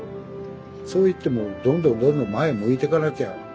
そういってもうどんどんどんどん前向いてかなきゃ。